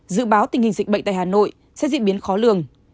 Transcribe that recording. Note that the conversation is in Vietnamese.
dự báo tình hình dịch bệnh tại hà nội sẽ diễn biến khó lường